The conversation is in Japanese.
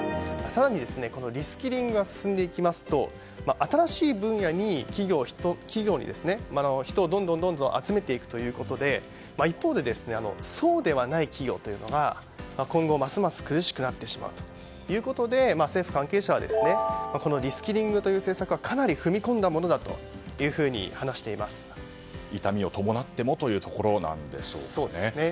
更に、リスキリングが進んでいきますと新しい分野の企業にどんどん人を集めていくということで一方でそうではない企業というのが今後、ますます苦しくなってしまうということで政府関係者はリスキリングという政策はかなり踏み込んだものだと痛みを伴ってもというところなんですね。